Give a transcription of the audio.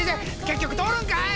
結局通るんかい！